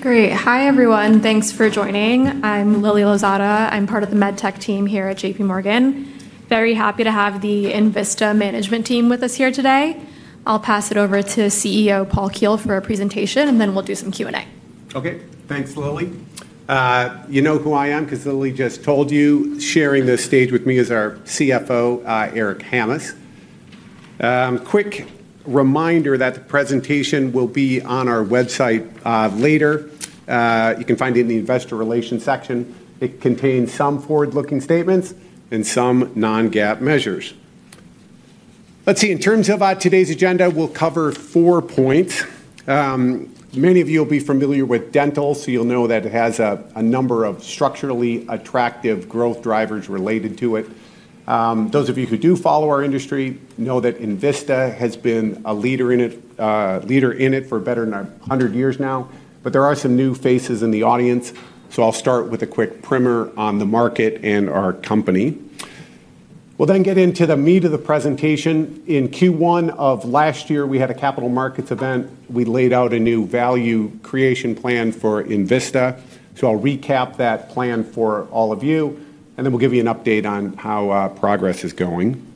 Great. Hi, everyone. Thanks for joining. I'm Lilly Lozada. I'm part of the MedTech team here at JPMorgan. Very happy to have the Envista Management Team with us here today. I'll pass it over to CEO Paul Keel for a presentation, and then we'll do some Q&A. Okay. Thanks, Lilly. You know who I am because Lilly just told you. Sharing the stage with me is our CFO, Eric Hammes. Quick reminder that the presentation will be on our website later. You can find it in the Investor Relations section. It contains some forward-looking statements and some non-GAAP measures. Let's see. In terms of today's agenda, we'll cover four points. Many of you will be familiar with dental, so you'll know that it has a number of structurally attractive growth drivers related to it. Those of you who do follow our industry know that Envista has been a leader in it for better than 100 years now. But there are some new faces in the audience, so I'll start with a quick primer on the market and our company. We'll then get into the meat of the presentation. In Q1 of last year, we had a capital markets event. We laid out a new value creation plan for Envista. So I'll recap that plan for all of you, and then we'll give you an update on how progress is going.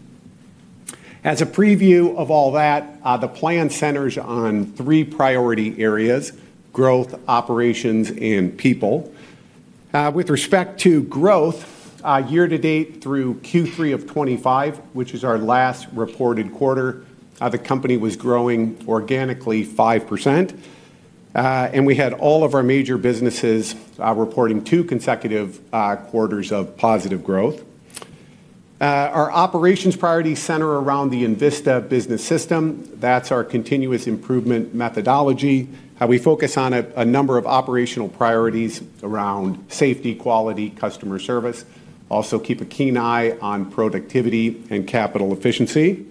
As a preview of all that, the plan centers on three priority areas: growth, operations, and people. With respect to growth, year-to-date through Q3 of 2025, which is our last reported quarter, the company was growing organically 5%. And we had all of our major businesses reporting two consecutive quarters of positive growth. Our operations priorities center around the Envista Business System. That's our continuous improvement methodology. We focus on a number of operational priorities around safety, quality, customer service. Also, keep a keen eye on productivity and capital efficiency.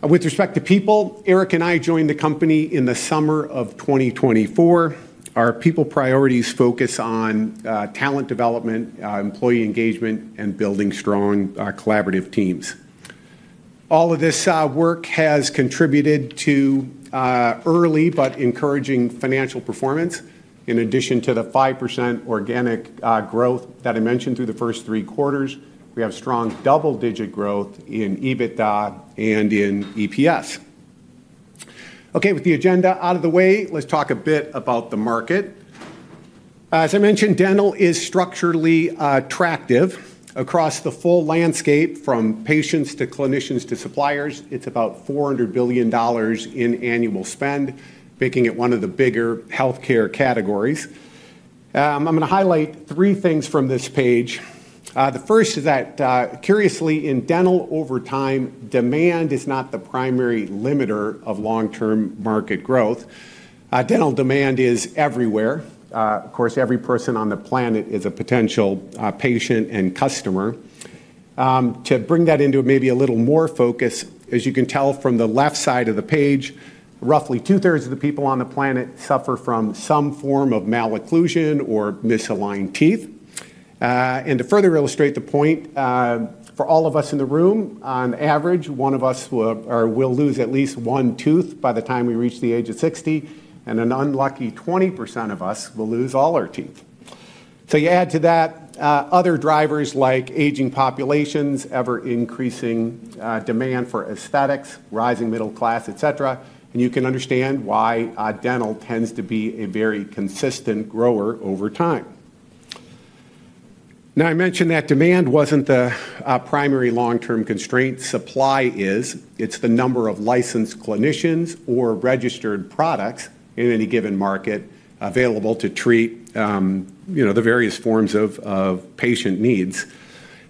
With respect to people, Eric and I joined the company in the summer of 2024. Our people priorities focus on talent development, employee engagement, and building strong collaborative teams. All of this work has contributed to early but encouraging financial performance. In addition to the 5% organic growth that I mentioned through the first three quarters, we have strong double-digit growth in EBITDA and in EPS. Okay. With the agenda out of the way, let's talk a bit about the market. As I mentioned, dental is structurally attractive across the full landscape, from patients to clinicians to suppliers. It's about $400 billion in annual spend, making it one of the bigger healthcare categories. I'm going to highlight three things from this page. The first is that, curiously, in dental, over time, demand is not the primary limiter of long-term market growth. Dental demand is everywhere. Of course, every person on the planet is a potential patient and customer. To bring that into maybe a little more focus, as you can tell from the left side of the page, roughly two-thirds of the people on the planet suffer from some form of malocclusion or misaligned teeth. And to further illustrate the point, for all of us in the room, on average, one of us will lose at least one tooth by the time we reach the age of 60, and an unlucky 20% of us will lose all our teeth. So you add to that other drivers like aging populations, ever-increasing demand for aesthetics, rising middle class, et cetera, and you can understand why dental tends to be a very consistent grower over time. Now, I mentioned that demand wasn't the primary long-term constraint. Supply is. It's the number of licensed clinicians or registered products in any given market available to treat the various forms of patient needs.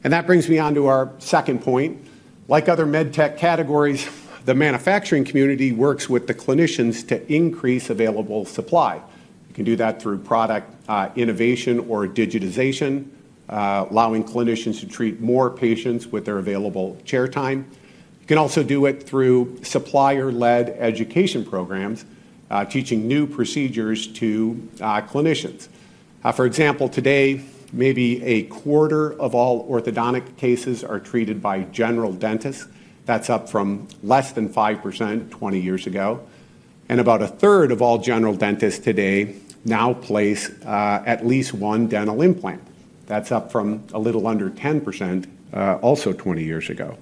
That brings me on to our second point. Like other MedTech categories, the manufacturing community works with the clinicians to increase available supply. You can do that through product innovation or digitization, allowing clinicians to treat more patients with their available chair time. You can also do it through supplier-led education programs, teaching new procedures to clinicians. For example, today, maybe a quarter of all orthodontic cases are treated by general dentists. That's up from less than 5% 20 years ago. And about a third of all general dentists today now place at least one dental implant. That's up from a little under 10% also 20 years ago.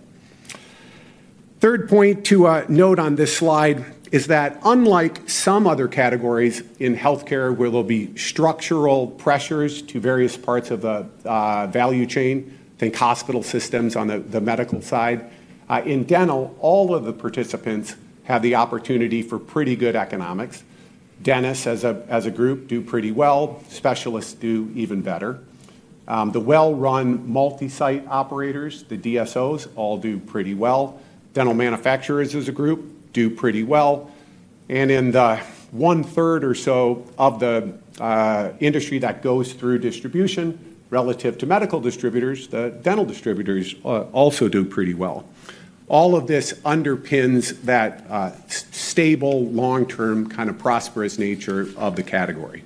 Third point to note on this slide is that, unlike some other categories in healthcare, where there'll be structural pressures to various parts of the value chain, think hospital systems on the medical side, in dental, all of the participants have the opportunity for pretty good economics. Dentists, as a group, do pretty well. Specialists do even better. The well-run multi-site operators, the DSOs, all do pretty well. Dental manufacturers, as a group, do pretty well. And in the one-third or so of the industry that goes through distribution, relative to medical distributors, the dental distributors also do pretty well. All of this underpins that stable, long-term, kind of prosperous nature of the category.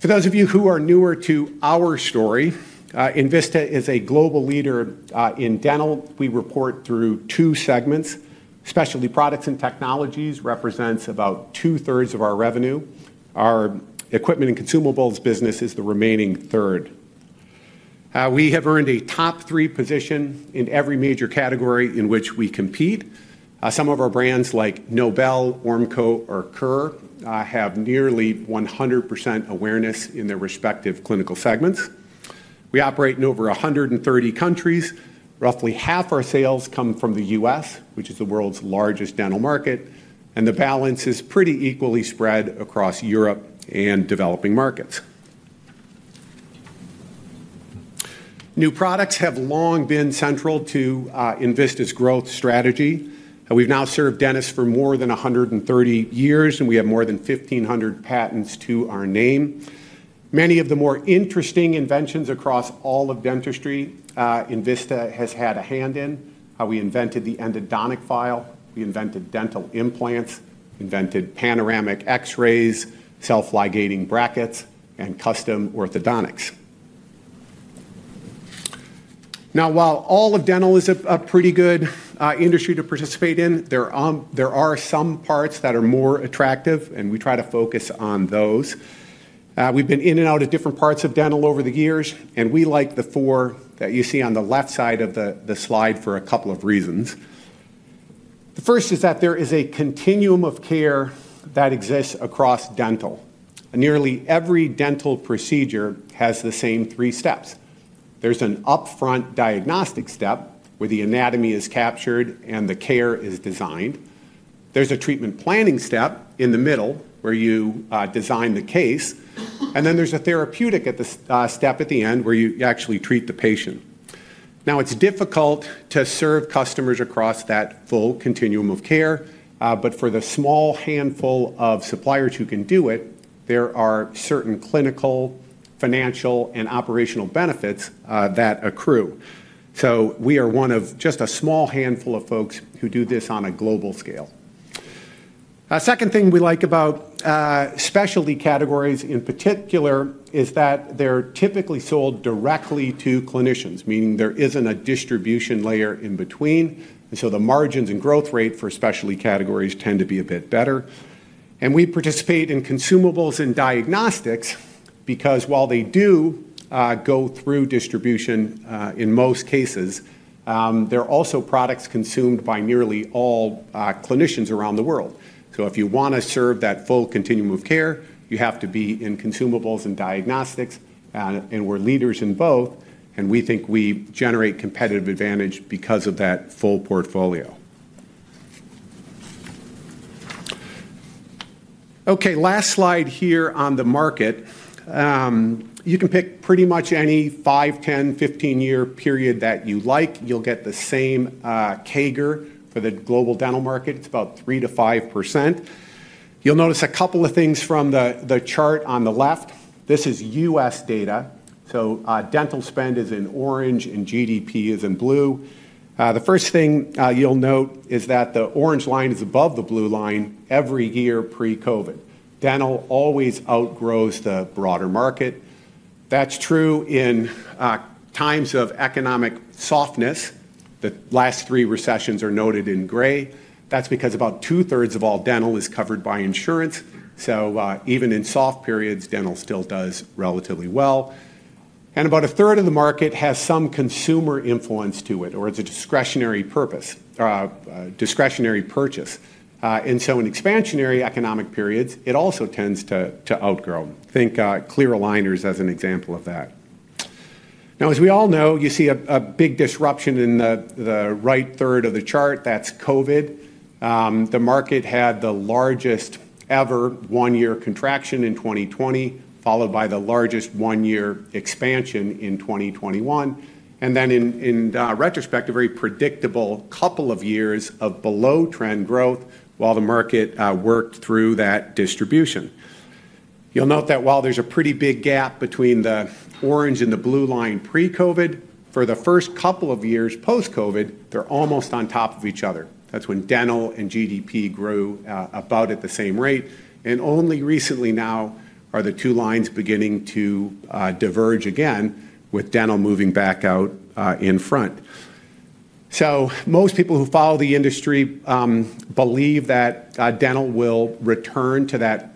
For those of you who are newer to our story, Envista is a global leader in dental. We report through two segments. Specialty products and technologies represent about 2/3 of our revenue. Our equipment and consumables business is the remaining third. We have earned a top-three position in every major category in which we compete. Some of our brands, like Nobel, Ormco, or Kerr, have nearly 100% awareness in their respective clinical segments. We operate in over 130 countries. Roughly half our sales come from the U.S., which is the world's largest dental market, and the balance is pretty equally spread across Europe and developing markets. New products have long been central to Envista's growth strategy. We've now served dentists for more than 130 years, and we have more than 1,500 patents to our name. Many of the more interesting inventions across all of dentistry, Envista has had a hand in. We invented the endodontic file. We invented dental implants. We invented panoramic X-rays, self-ligating brackets, and custom orthodontics. Now, while all of dental is a pretty good industry to participate in, there are some parts that are more attractive, and we try to focus on those. We've been in and out of different parts of dental over the years, and we like the four that you see on the left side of the slide for a couple of reasons. The first is that there is a continuum of care that exists across dental. Nearly every dental procedure has the same three steps. There's an upfront diagnostic step where the anatomy is captured and the care is designed. There's a treatment planning step in the middle where you design the case. And then there's a therapeutic step at the end where you actually treat the patient. Now, it's difficult to serve customers across that full continuum of care, but for the small handful of suppliers who can do it, there are certain clinical, financial, and operational benefits that accrue. So we are one of just a small handful of folks who do this on a global scale. A second thing we like about specialty categories, in particular, is that they're typically sold directly to clinicians, meaning there isn't a distribution layer in between. And so the margins and growth rate for specialty categories tend to be a bit better. And we participate in consumables and diagnostics because, while they do go through distribution in most cases, they're also products consumed by nearly all clinicians around the world. So if you want to serve that full continuum of care, you have to be in consumables and diagnostics. And we're leaders in both, and we think we generate competitive advantage because of that full portfolio. Okay. Last slide here on the market. You can pick pretty much any five, 10, 15-year period that you like. You'll get the same CAGR for the global dental market. It's about 3%-5%. You'll notice a couple of things from the chart on the left. This is U.S. data. So dental spend is in orange, and GDP is in blue. The first thing you'll note is that the orange line is above the blue line every year pre-COVID. Dental always outgrows the broader market. That's true in times of economic softness. The last three recessions are noted in gray. That's because about two-thirds of all dental is covered by insurance. So even in soft periods, dental still does relatively well. And about a third of the market has some consumer influence to it or is a discretionary purchase. And so in expansionary economic periods, it also tends to outgrow. Think clear aligners as an example of that. Now, as we all know, you see a big disruption in the right third of the chart. That's COVID. The market had the largest ever one-year contraction in 2020, followed by the largest one-year expansion in 2021. And then, in retrospect, a very predictable couple of years of below-trend growth while the market worked through that distribution. You'll note that while there's a pretty big gap between the orange and the blue line pre-COVID, for the first couple of years post-COVID, they're almost on top of each other. That's when dental and GDP grew about at the same rate. Only recently now are the two lines beginning to diverge again, with dental moving back out in front. Most people who follow the industry believe that dental will return to that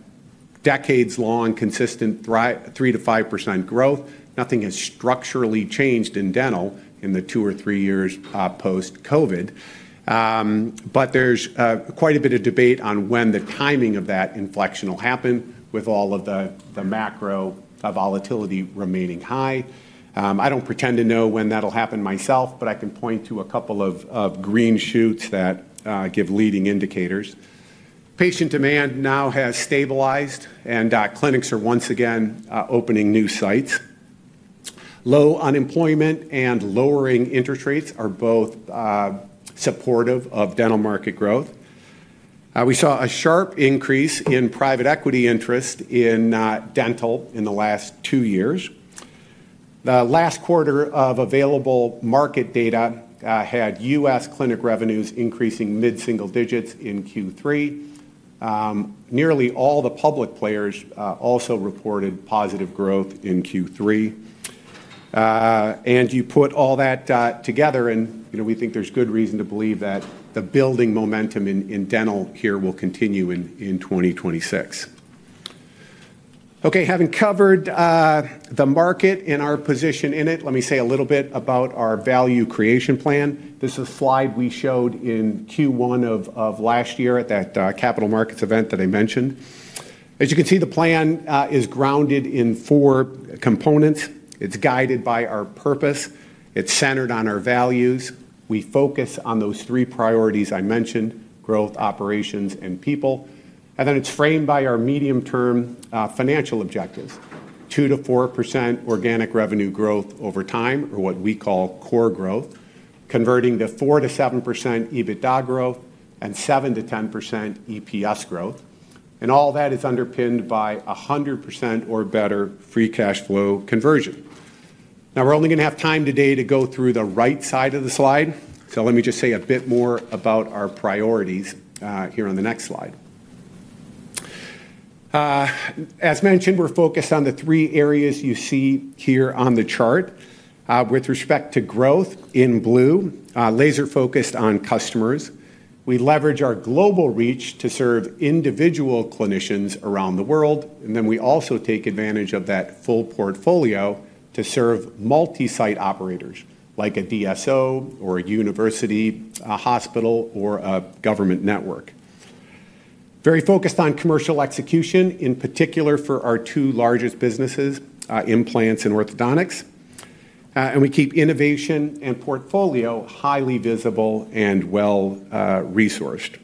decades-long, consistent 3%-5% growth. Nothing has structurally changed in dental in the two or three years post-COVID. There's quite a bit of debate on when the timing of that inflection will happen, with all of the macro volatility remaining high. I don't pretend to know when that'll happen myself, but I can point to a couple of green shoots that give leading indicators. Patient demand now has stabilized, and clinics are once again opening new sites. Low unemployment and lowering interest rates are both supportive of dental market growth. We saw a sharp increase in private equity interest in dental in the last two years. The last quarter of available market data had U.S. clinic revenues increasing mid-single digits in Q3. Nearly all the public players also reported positive growth in Q3, and you put all that together, and we think there's good reason to believe that the building momentum in dental here will continue in 2026. Okay. Having covered the market and our position in it, let me say a little bit about our value creation plan. This is a slide we showed in Q1 of last year at that capital markets event that I mentioned. As you can see, the plan is grounded in four components. It's guided by our purpose. It's centered on our values. We focus on those three priorities I mentioned: growth, operations, and people. And then it's framed by our medium-term financial objectives: 2%-4% organic revenue growth over time, or what we call core growth, converting to 4%-7% EBITDA growth, and 7%-10% EPS growth. And all that is underpinned by 100% or better free cash flow conversion. Now, we're only going to have time today to go through the right side of the slide. So let me just say a bit more about our priorities here on the next slide. As mentioned, we're focused on the three areas you see here on the chart. With respect to growth, in blue, laser-focused on customers. We leverage our global reach to serve individual clinicians around the world. And then we also take advantage of that full portfolio to serve multi-site operators, like a DSO or a university, a hospital, or a government network. Very focused on commercial execution, in particular for our two largest businesses, implants and orthodontics. And we keep innovation and portfolio highly visible and well-resourced.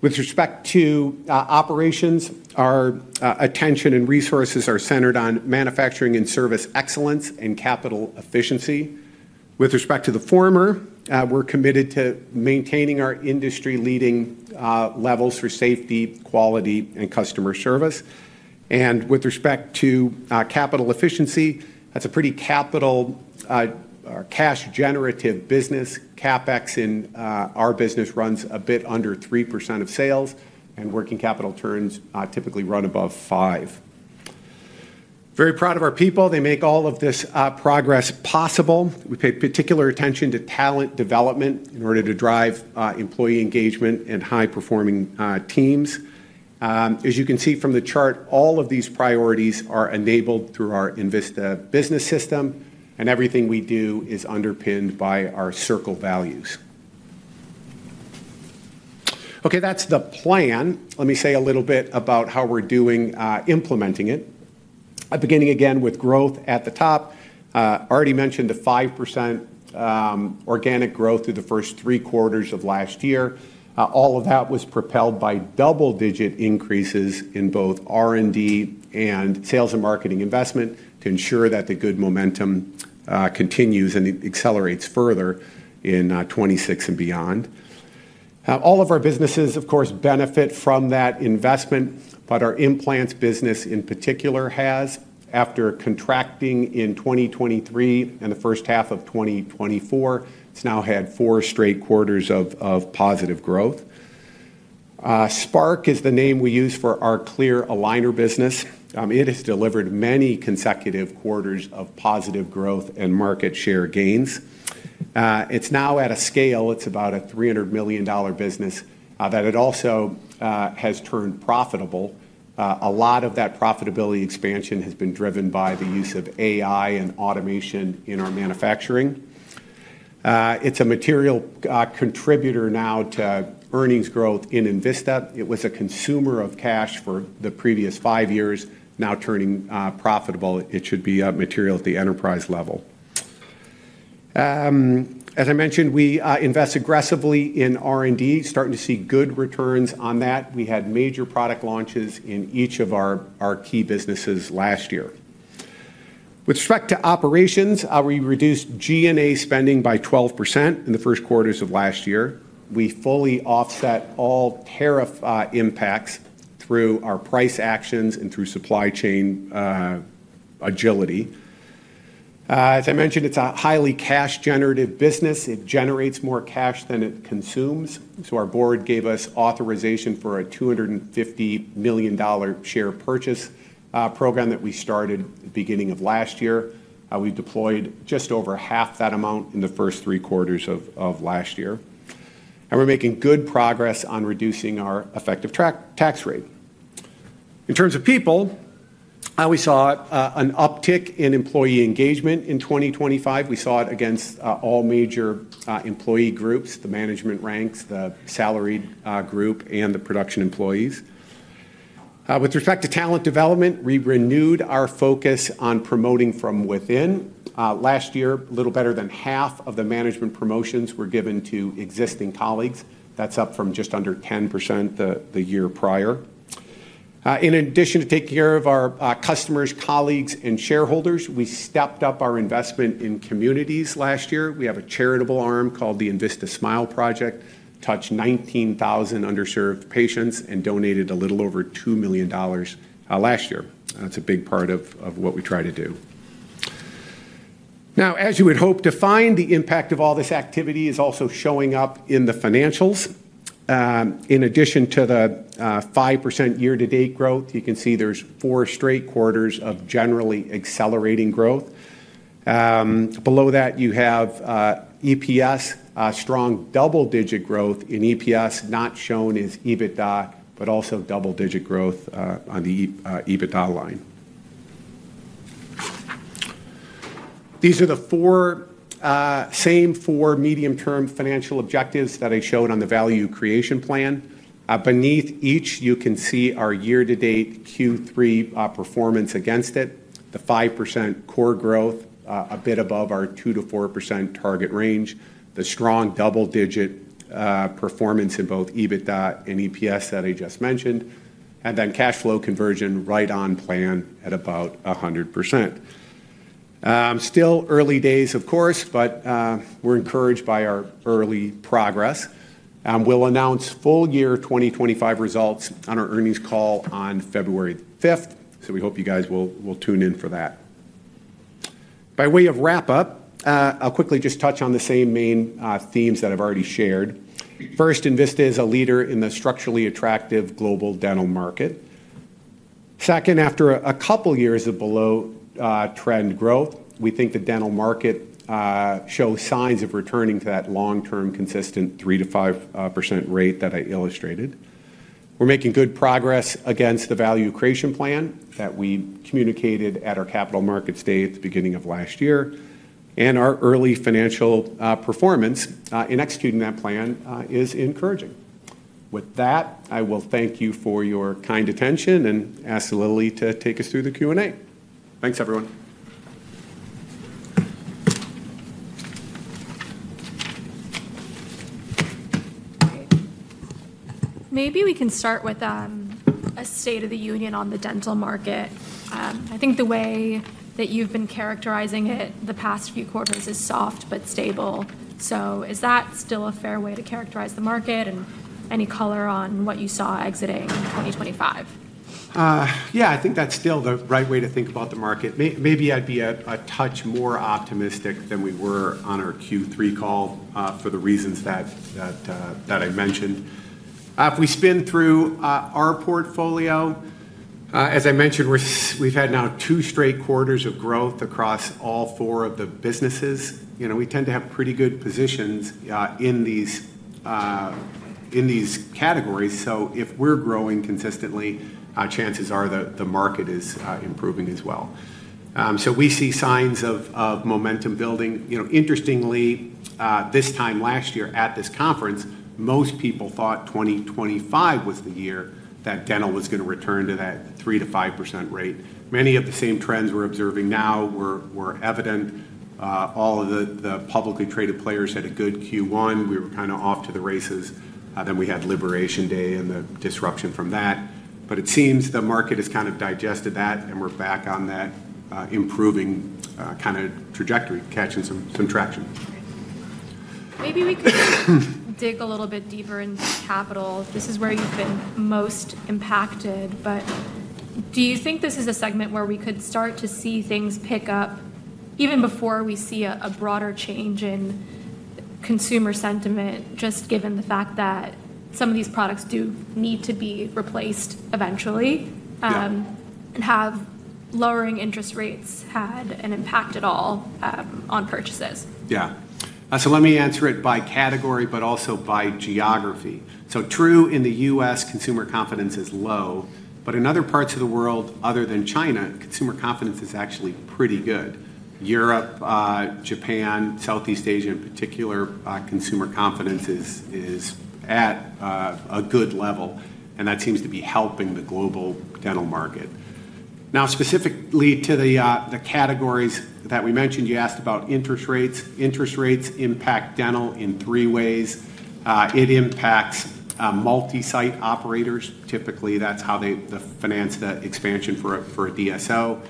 With respect to operations, our attention and resources are centered on manufacturing and service excellence and capital efficiency. With respect to the former, we're committed to maintaining our industry-leading levels for safety, quality, and customer service. And with respect to capital efficiency, that's a pretty capital or cash-generative business. CapEx in our business runs a bit under 3% of sales, and working capital turns typically run above five. Very proud of our people. They make all of this progress possible. We pay particular attention to talent development in order to drive employee engagement and high-performing teams. As you can see from the chart, all of these priorities are enabled through our Envista Business System, and everything we do is underpinned by our CIRCLES values. Okay. That's the plan. Let me say a little bit about how we're doing implementing it. Beginning again with growth at the top, I already mentioned the 5% organic growth through the first three quarters of last year. All of that was propelled by double-digit increases in both R&D and sales and marketing investment to ensure that the good momentum continues and accelerates further in 2026 and beyond. All of our businesses, of course, benefit from that investment, but our implants business, in particular, has after contracting in 2023 and the first half of 2024, it's now had four straight quarters of positive growth. Spark is the name we use for our clear aligner business. It has delivered many consecutive quarters of positive growth and market share gains. It's now, at a scale, it's about a $300 million business, that it also has turned profitable. A lot of that profitability expansion has been driven by the use of AI and automation in our manufacturing. It's a material contributor now to earnings growth in Envista. It was a consumer of cash for the previous five years, now turning profitable. It should be a material at the enterprise level. As I mentioned, we invest aggressively in R&D, starting to see good returns on that. We had major product launches in each of our key businesses last year. With respect to operations, we reduced G&A spending by 12% in the first quarters of last year. We fully offset all tariff impacts through our price actions and through supply chain agility. As I mentioned, it's a highly cash-generative business. It generates more cash than it consumes. So our board gave us authorization for a $250 million share purchase program that we started at the beginning of last year. We deployed just over half that amount in the first three quarters of last year, and we're making good progress on reducing our effective tax rate. In terms of people, we saw an uptick in employee engagement in 2025. We saw it against all major employee groups: the management ranks, the salaried group, and the production employees. With respect to talent development, we renewed our focus on promoting from within. Last year, a little better than half of the management promotions were given to existing colleagues. That's up from just under 10% the year prior. In addition to taking care of our customers, colleagues, and shareholders, we stepped up our investment in communities last year. We have a charitable arm called the Envista Smile Project, touched 19,000 underserved patients, and donated a little over $2 million last year. That's a big part of what we try to do. Now, as you would hope to find, the impact of all this activity is also showing up in the financials. In addition to the 5% year-to-date growth, you can see there's four straight quarters of generally accelerating growth. Below that, you have EPS, strong double-digit growth in EPS, not shown as EBITDA, but also double-digit growth on the EBITDA line. These are the same four medium-term financial objectives that I showed on the value creation plan. Beneath each, you can see our year-to-date Q3 performance against it, the 5% core growth a bit above our 2%-4% target range, the strong double-digit performance in both EBITDA and EPS that I just mentioned, and then cash flow conversion right on plan at about 100%. Still early days, of course, but we're encouraged by our early progress. We'll announce full year 2025 results on our earnings call on February 5th. So we hope you guys will tune in for that. By way of wrap-up, I'll quickly just touch on the same main themes that I've already shared. First, Envista is a leader in the structurally attractive global dental market. Second, after a couple of years of below-trend growth, we think the dental market shows signs of returning to that long-term consistent 3%-5% rate that I illustrated. We're making good progress against the value creation plan that we communicated at our capital markets day at the beginning of last year. And our early financial performance in executing that plan is encouraging. With that, I will thank you for your kind attention and ask Lilly to take us through the Q&A. Thanks, everyone. Maybe we can start with a state of the union on the dental market. I think the way that you've been characterizing it the past few quarters is soft but stable. So is that still a fair way to characterize the market and any color on what you saw entering 2025? Yeah, I think that's still the right way to think about the market. Maybe I'd be a touch more optimistic than we were on our Q3 call for the reasons that I mentioned. If we spin through our portfolio, as I mentioned, we've had now two straight quarters of growth across all four of the businesses. We tend to have pretty good positions in these categories. So if we're growing consistently, chances are the market is improving as well. So we see signs of momentum building. Interestingly, this time last year at this conference, most people thought 2025 was the year that dental was going to return to that 3%-5% rate. Many of the same trends we're observing now were evident. All of the publicly traded players had a good Q1. We were kind of off to the races. Then we had Liberation Day and the disruption from that. But it seems the market has kind of digested that, and we're back on that improving kind of trajectory, catching some traction. Maybe we could dig a little bit deeper into capital. This is where you've been most impacted. But do you think this is a segment where we could start to see things pick up even before we see a broader change in consumer sentiment, just given the fact that some of these products do need to be replaced eventually and have lowering interest rates had an impact at all on purchases? Yeah. So let me answer it by category, but also by geography. So true, in the U.S., consumer confidence is low. But in other parts of the world, other than China, consumer confidence is actually pretty good. Europe, Japan, Southeast Asia in particular, consumer confidence is at a good level. And that seems to be helping the global dental market. Now, specifically to the categories that we mentioned, you asked about interest rates. Interest rates impact dental in three ways. It impacts multi-site operators. Typically, that's how they finance the expansion for a DSO.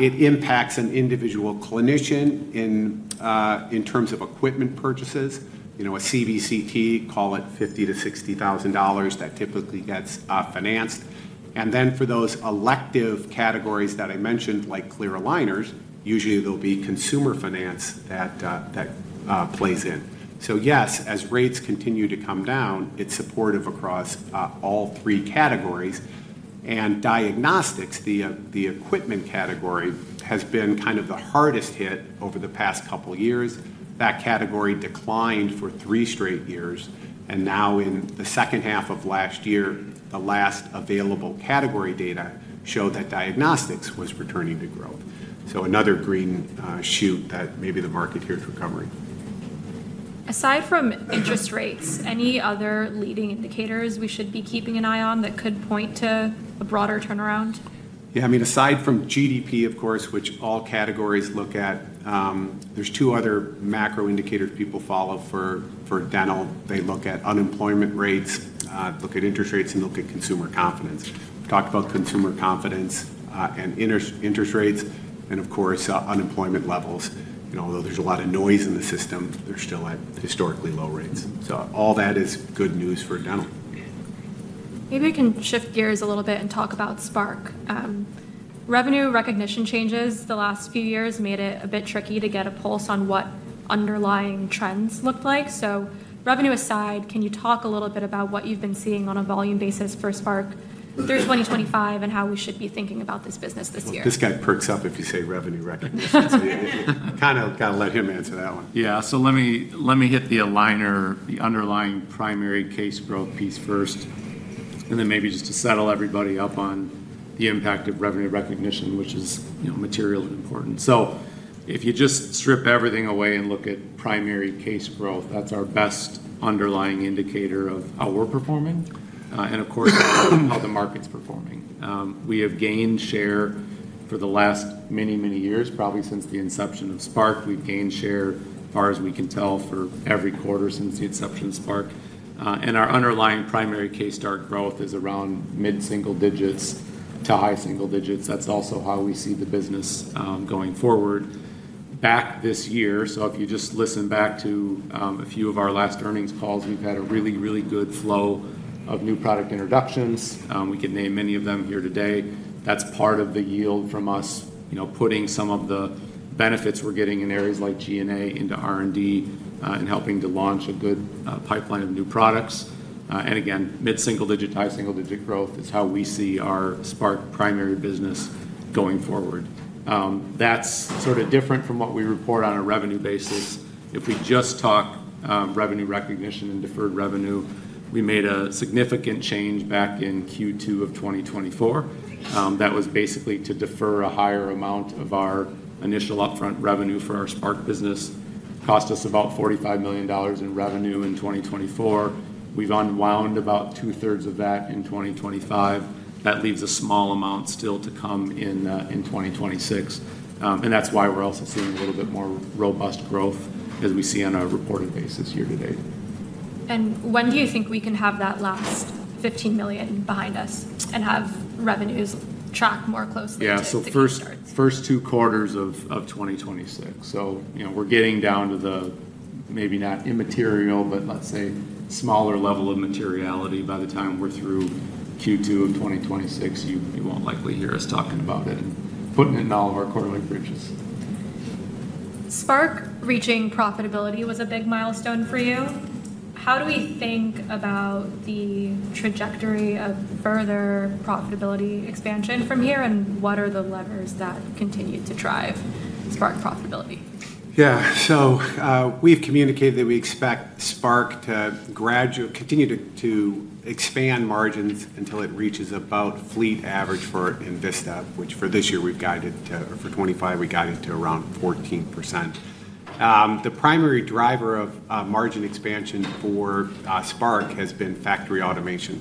It impacts an individual clinician in terms of equipment purchases. A CBCT, call it $50,000-$60,000, that typically gets financed, and then for those elective categories that I mentioned, like clear aligners, usually there'll be consumer finance that plays in, so yes, as rates continue to come down, it's supportive across all three categories, and diagnostics, the equipment category, has been kind of the hardest hit over the past couple of years. That category declined for three straight years, and now, in the second half of last year, the last available category data showed that diagnostics was returning to growth, so another green shoot that maybe the market here is recovering. Aside from interest rates, any other leading indicators we should be keeping an eye on that could point to a broader turnaround? Yeah. I mean, aside from GDP, of course, which all categories look at, there's two other macro indicators people follow for dental. They look at unemployment rates, look at interest rates, and look at consumer confidence. We talked about consumer confidence and interest rates, and of course, unemployment levels. Although there's a lot of noise in the system, they're still at historically low rates. So all that is good news for dental. Maybe we can shift gears a little bit and talk about Spark. Revenue recognition changes the last few years made it a bit tricky to get a pulse on what underlying trends look like. So revenue aside, can you talk a little bit about what you've been seeing on a volume basis for Spark through 2025 and how we should be thinking about this business this year? This guy perks up if you say revenue recognition. Kind of let him answer that one. Yeah, so let me hit the aligner, the underlying primary case growth piece first, and then maybe just to settle everybody up on the impact of revenue recognition, which is material and important. So if you just strip everything away and look at primary case growth, that's our best underlying indicator of how we're performing and, of course, how the market's performing. We have gained share for the last many, many years, probably since the inception of Spark. We've gained share, as far as we can tell, for every quarter since the inception of Spark, and our underlying primary case start growth is around mid-single digits to high single digits. That's also how we see the business going forward. Back this year, so if you just listen back to a few of our last earnings calls, we've had a really, really good flow of new product introductions. We could name many of them here today. That's part of the yield from us putting some of the benefits we're getting in areas like G&A into R&D and helping to launch a good pipeline of new products. And again, mid-single digit, high single digit growth is how we see our Spark primary business going forward. That's sort of different from what we report on a revenue basis. If we just talk revenue recognition and deferred revenue, we made a significant change back in Q2 of 2024. That was basically to defer a higher amount of our initial upfront revenue for our Spark business. It cost us about $45 million in revenue in 2024. We've unwound about two-thirds of that in 2025. That leaves a small amount still to come in 2026. And that's why we're also seeing a little bit more robust growth as we see on a reported basis here today. And when do you think we can have that last $15 million behind us and have revenues track more closely to the start? Yeah. So first two quarters of 2026. So we're getting down to the maybe not immaterial, but let's say smaller level of materiality by the time we're through Q2 of 2026. You won't likely hear us talking about it and putting it in all of our quarterly bridges. Spark reaching profitability was a big milestone for you. How do we think about the trajectory of further profitability expansion from here, and what are the levers that continue to drive Spark profitability? Yeah. We've communicated that we expect Spark to continue to expand margins until it reaches about fleet average for Envista, which for this year we've guided to, or for 2025, we guided to around 14%. The primary driver of margin expansion for Spark has been factory automation.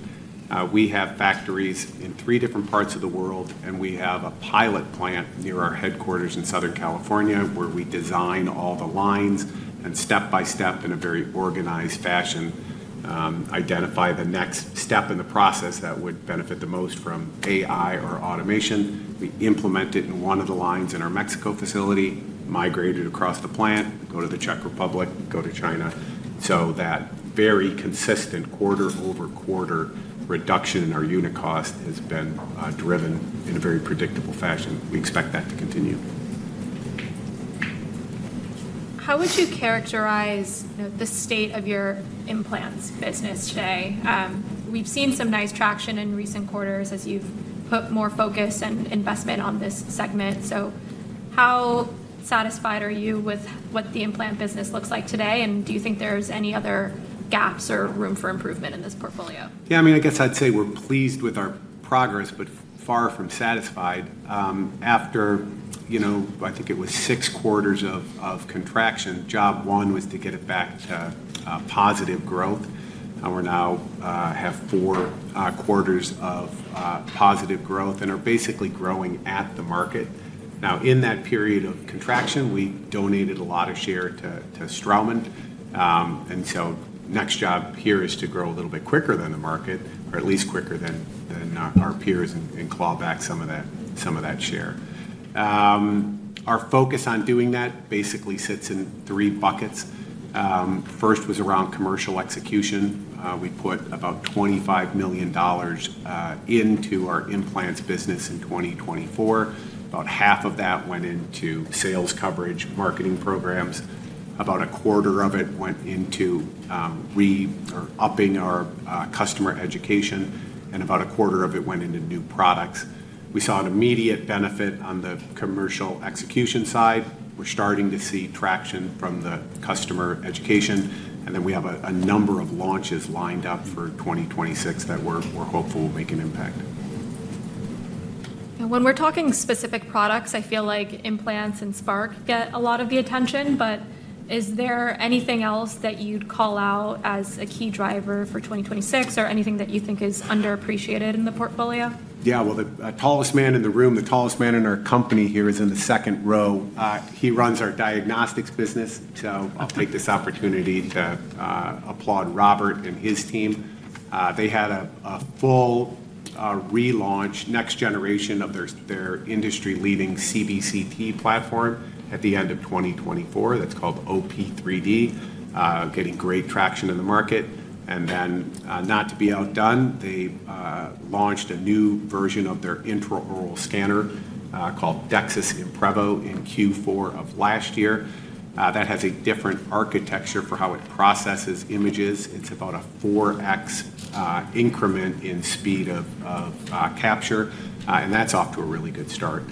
We have factories in three different parts of the world, and we have a pilot plant near our headquarters in Southern California where we design all the lines and step by step, in a very organized fashion, identify the next step in the process that would benefit the most from AI or automation. We implement it in one of the lines in our Mexico facility, migrate it across the plant, go to the Czech Republic, go to China. That very consistent quarter-over-quarter reduction in our unit cost has been driven in a very predictable fashion. We expect that to continue. How would you characterize the state of your implants business today? We've seen some nice traction in recent quarters as you've put more focus and investment on this segment. So how satisfied are you with what the implant business looks like today, and do you think there's any other gaps or room for improvement in this portfolio? Yeah. I mean, I guess I'd say we're pleased with our progress, but far from satisfied. After I think it was six quarters of contraction, job one was to get it back to positive growth. We now have four quarters of positive growth and are basically growing at the market. Now, in that period of contraction, we donated a lot of share to Straumann. And so next job here is to grow a little bit quicker than the market, or at least quicker than our peers, and claw back some of that share. Our focus on doing that basically sits in three buckets. First was around commercial execution. We put about $25 million into our implants business in 2024. About half of that went into sales coverage, marketing programs. About a quarter of it went into upping our customer education, and about a quarter of it went into new products. We saw an immediate benefit on the commercial execution side. We're starting to see traction from the customer education. And then we have a number of launches lined up for 2026 that we're hopeful will make an impact. And when we're talking specific products, I feel like implants and Spark get a lot of the attention. But is there anything else that you'd call out as a key driver for 2026 or anything that you think is underappreciated in the portfolio? Yeah. The tallest man in the room, the tallest man in our company here is in the second row. He runs our diagnostics business. So I'll take this opportunity to applaud Robert and his team. They had a full relaunch, next generation of their industry-leading CBCT platform at the end of 2024. That's called OP 3D, getting great traction in the market. And then not to be outdone, they launched a new version of their intraoral scanner called DEXIS Imprevo in Q4 of last year. That has a different architecture for how it processes images. It's about a 4x increment in speed of capture. And that's off to a really good start.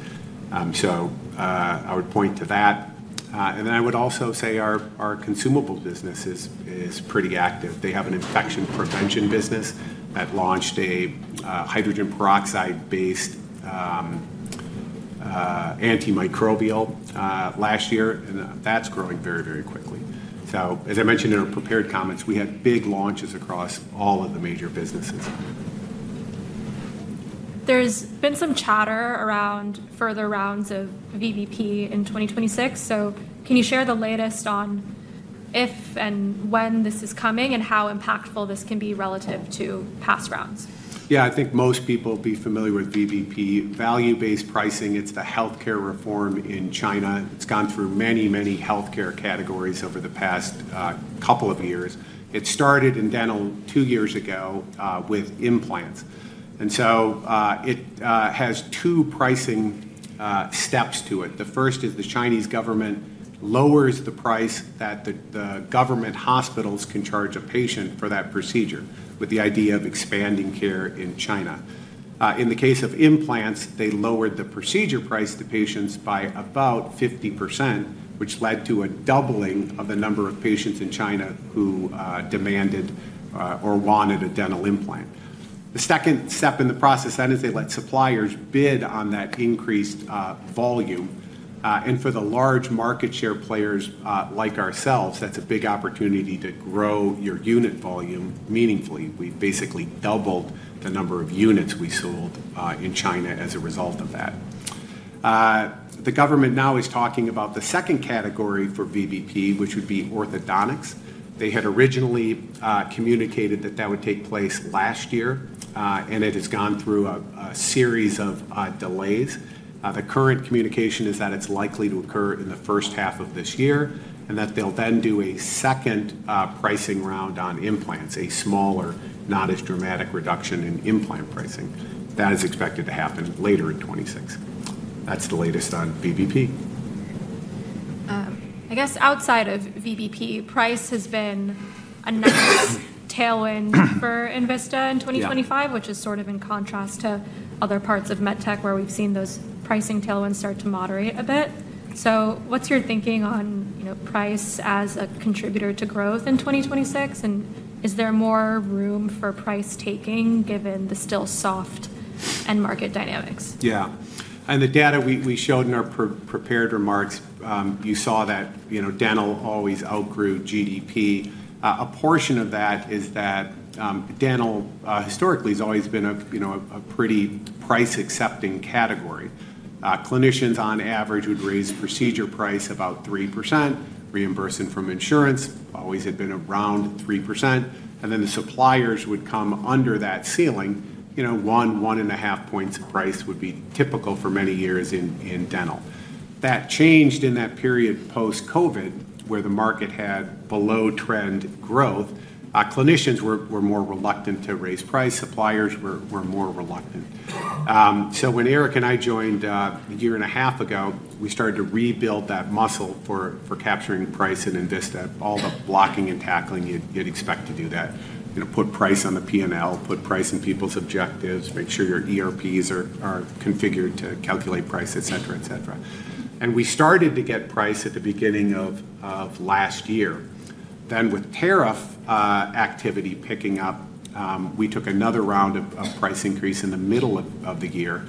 So I would point to that. And then I would also say our consumable business is pretty active. They have an infection prevention business that launched a hydrogen peroxide-based antimicrobial last year. And that's growing very, very quickly. So as I mentioned in our prepared comments, we had big launches across all of the major businesses. There's been some chatter around further rounds of VBP in 2026. So can you share the latest on if and when this is coming and how impactful this can be relative to past rounds? Yeah. I think most people will be familiar with VBP. Value-based pricing, it's the healthcare reform in China. It's gone through many, many healthcare categories over the past couple of years. It started in dental two years ago with implants. And so it has two pricing steps to it. The first is the Chinese government lowers the price that the government hospitals can charge a patient for that procedure with the idea of expanding care in China. In the case of implants, they lowered the procedure price to patients by about 50%, which led to a doubling of the number of patients in China who demanded or wanted a dental implant. The second step in the process then is they let suppliers bid on that increased volume, and for the large market share players like ourselves, that's a big opportunity to grow your unit volume meaningfully. We basically doubled the number of units we sold in China as a result of that. The government now is talking about the second category for VBP, which would be orthodontics. They had originally communicated that that would take place last year, and it has gone through a series of delays. The current communication is that it's likely to occur in the first half of this year and that they'll then do a second pricing round on implants, a smaller, not as dramatic reduction in implant pricing. That is expected to happen later in 2026. That's the latest on VBP. I guess outside of VBP, price has been a nice tailwind for Envista in 2025, which is sort of in contrast to other parts of MedTech where we've seen those pricing tailwinds start to moderate a bit. So what's your thinking on price as a contributor to growth in 2026? And is there more room for price taking given the still soft end market dynamics? Yeah. And the data we showed in our prepared remarks, you saw that dental always outgrew GDP. A portion of that is that dental historically has always been a pretty price-accepting category. Clinicians, on average, would raise procedure price about 3%, reimbursing from insurance. Always had been around 3%. And then the suppliers would come under that ceiling. One, one and a half points of price would be typical for many years in dental. That changed in that period post-COVID where the market had below-trend growth. Clinicians were more reluctant to raise price. Suppliers were more reluctant, so when Eric and I joined a year and a half ago, we started to rebuild that muscle for capturing price in Envista, all the blocking and tackling you'd expect to do that. Put price on the P&L, put price in people's objectives, make sure your ERPs are configured to calculate price, et cetera, et cetera. And we started to get price at the beginning of last year. Then with tariff activity picking up, we took another round of price increase in the middle of the year.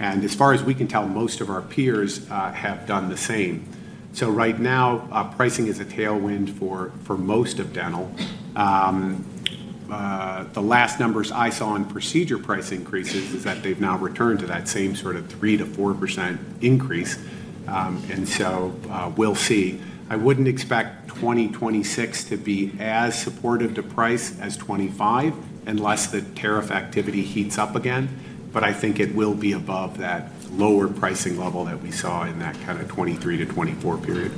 As far as we can tell, most of our peers have done the same. So right now, pricing is a tailwind for most of dental. The last numbers I saw in procedure price increases is that they've now returned to that same sort of 3%-4% increase. So we'll see. I wouldn't expect 2026 to be as supportive to price as 2025 unless the tariff activity heats up again. But I think it will be above that lower pricing level that we saw in that kind of 2023-2024 period.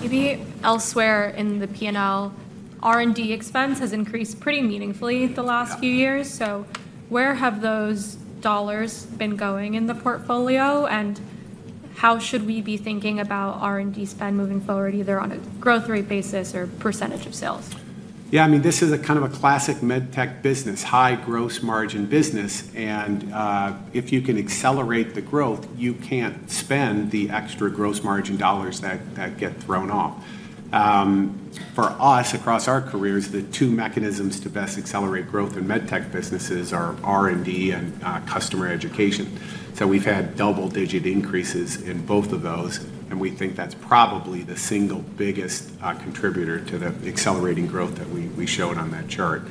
Maybe elsewhere in the P&L, R&D expense has increased pretty meaningfully the last few years. So where have those dollars been going in the portfolio? And how should we be thinking about R&D spend moving forward, either on a growth rate basis or percentage of sales? Yeah. I mean, this is a kind of a classic MedTech business, high gross margin business. And if you can accelerate the growth, you can't spend the extra gross margin dollars that get thrown off. For us, across our careers, the two mechanisms to best accelerate growth in MedTech businesses are R&D and customer education. So we've had double-digit increases in both of those. And we think that's probably the single biggest contributor to the accelerating growth that we showed on that chart.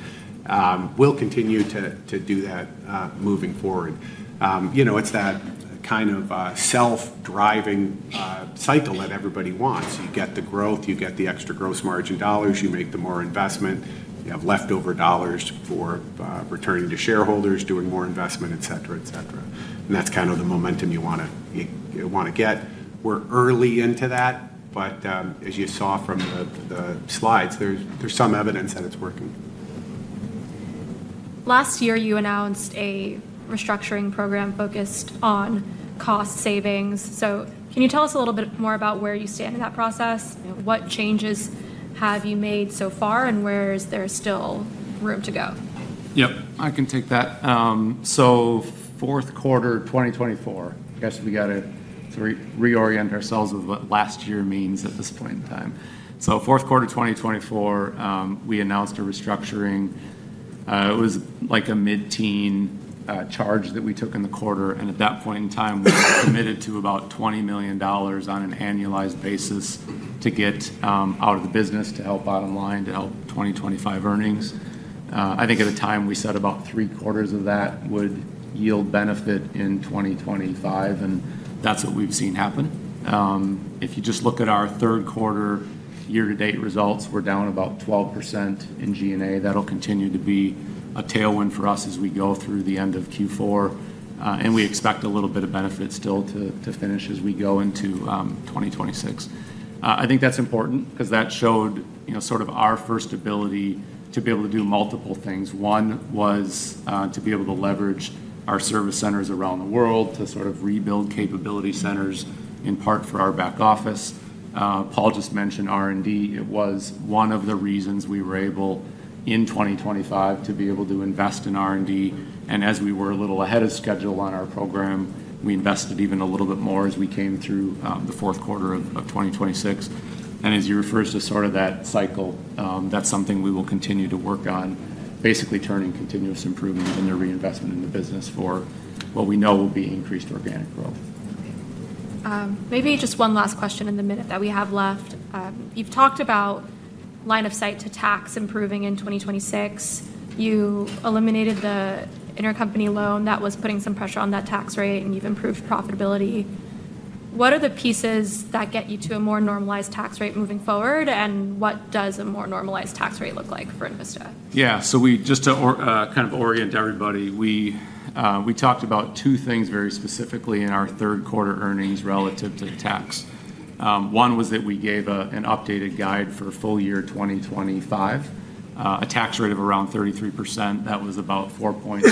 We'll continue to do that moving forward. It's that kind of self-driving cycle that everybody wants. You get the growth, you get the extra gross margin dollars, you make the more investment, you have leftover dollars for returning to shareholders, doing more investment, et cetera, et cetera. And that's kind of the momentum you want to get. We're early into that. But as you saw from the slides, there's some evidence that it's working. Last year, you announced a restructuring program focused on cost savings. So can you tell us a little bit more about where you stand in that process? What changes have you made so far, and where is there still room to go? Yep. I can take that. So fourth quarter 2024, I guess we got to reorient ourselves with what last year means at this point in time. So fourth quarter 2024, we announced a restructuring. It was like a mid-teen charge that we took in the quarter. And at that point in time, we committed to about $20 million on an annualized basis to get out of the business to help bottom line, to help 2025 earnings. I think at the time, we said about three quarters of that would yield benefit in 2025. That's what we've seen happen. If you just look at our third quarter year-to-date results, we're down about 12% in G&A. That'll continue to be a tailwind for us as we go through the end of Q4. And we expect a little bit of benefit still to finish as we go into 2026. I think that's important because that showed sort of our first ability to be able to do multiple things. One was to be able to leverage our service centers around the world to sort of rebuild capability centers in part for our back office. Paul just mentioned R&D. It was one of the reasons we were able in 2025 to be able to invest in R&D. And as we were a little ahead of schedule on our program, we invested even a little bit more as we came through the fourth quarter of 2026. As you refer to sort of that cycle, that's something we will continue to work on, basically turning continuous improvement in the reinvestment in the business for what we know will be increased organic growth. Maybe just one last question in the minute that we have left. You've talked about line of sight to tax improving in 2026. You eliminated the intercompany loan that was putting some pressure on that tax rate, and you've improved profitability. What are the pieces that get you to a more normalized tax rate moving forward, and what does a more normalized tax rate look like for Envista? Yeah. So just to kind of orient everybody, we talked about two things very specifically in our third quarter earnings relative to tax. One was that we gave an updated guide for full year 2025, a tax rate of around 33%. That was about four points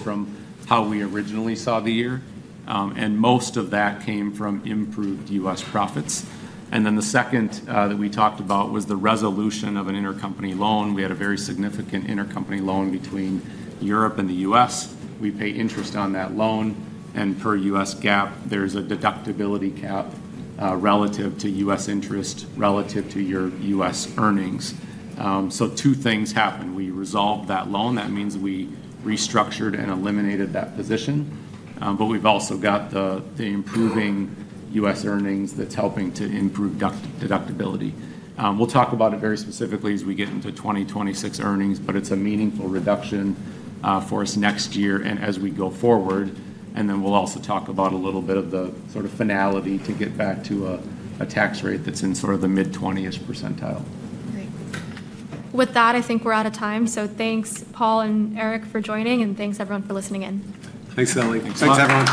from how we originally saw the year. And most of that came from improved U.S. profits. And then the second that we talked about was the resolution of an intercompany loan. We had a very significant intercompany loan between Europe and the U.S. We pay interest on that loan. And per U.S. GAAP, there's a deductibility cap relative to U.S. interest relative to your U.S. earnings. So two things happened. We resolved that loan. That means we restructured and eliminated that position. But we've also got the improving U.S. earnings that's helping to improve deductibility. We'll talk about it very specifically as we get into 2026 earnings, but it's a meaningful reduction for us next year and as we go forward. And then we'll also talk about a little bit of the sort of finality to get back to a tax rate that's in sort of the mid-20s%. Great. With that, I think we're out of time. So thanks, Paul and Eric, for joining. And thanks, everyone, for listening in. Thanks, Lilly. Thanks, Robert. Thanks, everyone.